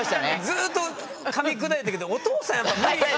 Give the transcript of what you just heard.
ずっとかみ砕いたけどお父さんやっぱ無理。